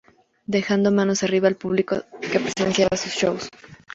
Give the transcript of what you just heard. Dejando manos arriba al público que presenciaba sus shows.